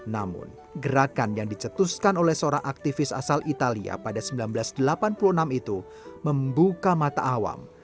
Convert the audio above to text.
namun gerakan yang dicetuskan oleh seorang aktivis asal italia pada seribu sembilan ratus delapan puluh enam itu membuka mata awam